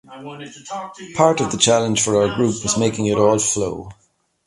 Part of the challenge for our group was making it all flow.